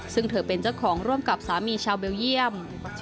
ซึ่งเธอเป็นเจ้าของร่วมกับสามีชาวเบลเยี่ยม